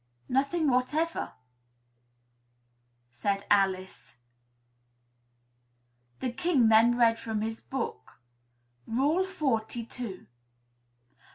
"Nothing whatever," said Alice. The King then read from his book: "Rule forty two.